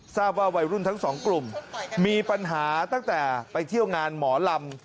ทราบว่าวัยรุ่นทั้งสองกลุ่มมีปัญหาตั้งแต่ไปเที่ยวงานหมอลำ